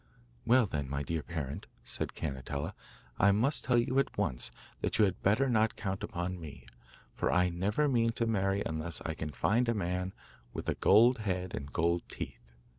'Well, then, my dear parent,' said Cannetella, 'I must tell you at once that you had better not count upon me, for I never mean to marry unless I can find a man with a gold head and gold teeth.